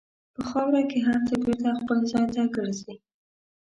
په خاوره کې هر څه بېرته خپل ځای ته ګرځي.